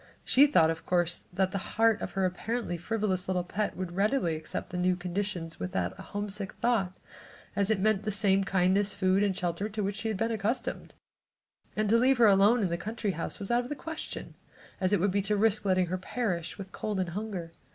She thought, of course, that the heart of her apparently frivolous little pet would readily accept the new conditions without a homesick thought, as it meant the same kindness, food and shelter to which she had been accustomed, and to leave her alone at the country house was out of the question, as it would be to risk letting her perish with cold and hunger.